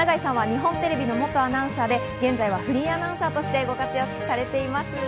日本テレビの元アナウンサーで現在はフリーアナウンサーとしてご活躍されています。